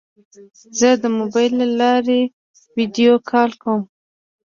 زه د موبایل له لارې ویدیو کال کوم.